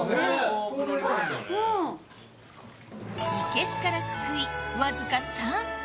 生け簀からすくいわずか３分！